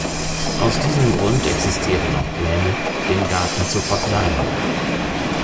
Aus diesem Grund existieren auch Pläne, den Garten zu verkleinern.